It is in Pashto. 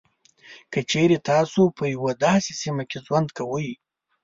که چېري تاسو په یوه داسې سیمه کې ژوند کوئ.